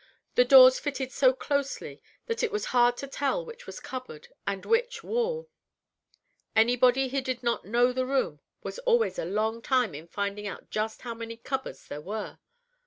The doors fitted so closely that it was hard to tell which was cupboard and which wall; anybody who did not know the room was always a long time in finding out just how many cupboards there were.